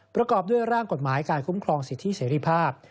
ประกอบด้วยร่างกฎหมายการคุ้มครองสิทธิเสรีภาพ